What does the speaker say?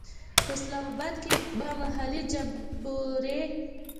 په اسلام آباد کې به محلي جمبوري.